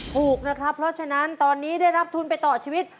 ถูกนะครับเพราะฉะนั้นตอนนี้ได้รับทุนไปต่อชีวิต